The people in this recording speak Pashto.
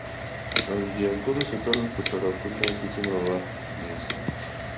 د انګورو ساتل په سړه خونه کې څومره وخت نیسي؟